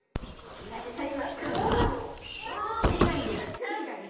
ヒイラギちゃん！